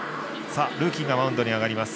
ルーキーがマウンドに上がります。